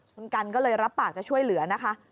คุณกันก็เลยรับปากจะช่วยเหลือนะคะ